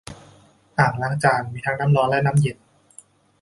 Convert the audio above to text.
อ่างล้างจานมีทั้งน้ำร้อนและน้ำเย็น